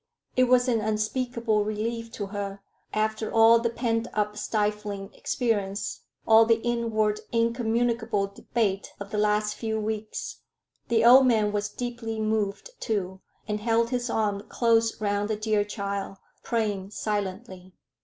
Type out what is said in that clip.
It was an unspeakable relief to her after all the pent up, stifling experience, all the inward incommunicable debate of the last few weeks. The old man was deeply moved, too, and held his arm close round the dear child, praying silently.